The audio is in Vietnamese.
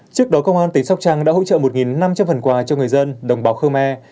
trước đó công an tỉnh sóc trăng đã hỗ trợ một năm trăm linh phần quà cho người dân đồng bào khơ me